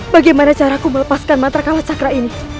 bagaimana caraku melepaskan matrakala cakra ini